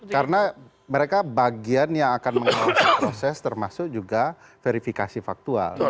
karena mereka bagian yang akan mengawasi proses termasuk juga verifikasi faktual